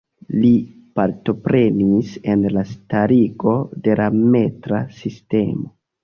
Li partoprenis en la starigo de la metra sistemo.